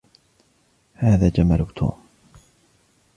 هذا جمل توم.